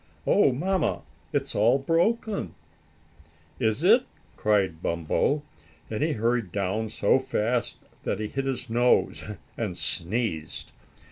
Oh, Mamma, it's all broken." "Is it?" cried Bumpo, and he hurried down so fast that he hit his nose, and sneezed.